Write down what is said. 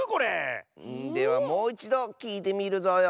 ではもういちどきいてみるぞよ。